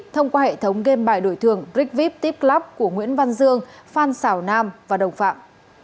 thông qua hệ thống game bài đổi thường rigvip tipclub của nguyễn văn dương phan xảo nam và đồng phạm